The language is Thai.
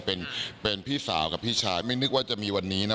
เป็นพี่สาวกับพี่ชายไม่นึกว่าจะมีวันนี้นะ